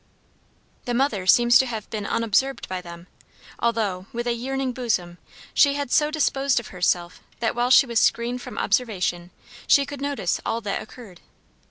The mother seems to have been unobserved by them, although, with a yearning bosom, she had so disposed of herself that while she was screened from observation she could notice all that occurred.